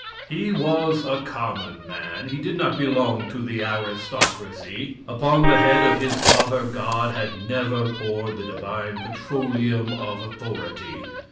He was a common man. He did not belong to the aristocracy. Upon the head of his father God had never poured the divine petroleum of authority.